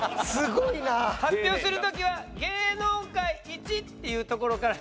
発表する時は「芸能界一」っていうところからちゃんと。